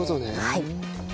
はい。